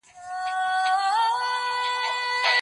څوک د چا د تصرف مخه نیسي؟